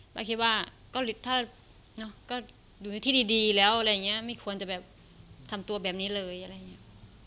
ป้าคิดว่าถ้าอยู่ในที่ดีแล้วไม่ควรจะทำตัวแบบนี้เลย